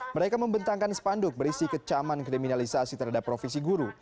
mereka membentangkan spanduk berisi kecaman kriminalisasi terhadap profesi guru